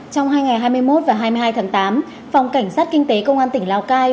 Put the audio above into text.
trong hai ngày hai mươi một và hai mươi hai tháng tám phòng cảnh sát kinh tế công an tỉnh lào cai